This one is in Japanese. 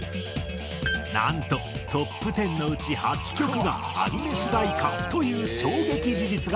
なんとトップ１０のうち８曲がアニメ主題歌という衝撃事実が！